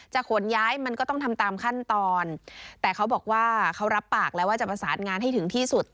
ขนย้ายมันก็ต้องทำตามขั้นตอนแต่เขาบอกว่าเขารับปากแล้วว่าจะประสานงานให้ถึงที่สุด